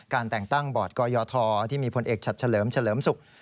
แต่งตั้งบอร์ดกยธที่มีผลเอกฉัดเฉลิมเฉลิมศุกร์